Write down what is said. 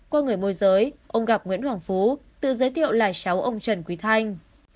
qua người môi giới ông gặp nguyễn hoàng phú tự giới thiệu là cháu ông trần quý thanh